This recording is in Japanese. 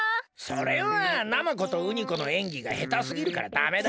それはナマコとウニコのえんぎがへたすぎるからダメだ。